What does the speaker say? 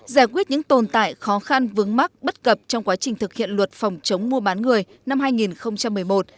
giải quyết những tồn tại khó khăn vướng mắc bất cập trong quá trình thực hiện luật phòng chống mua bán người năm hai nghìn một mươi một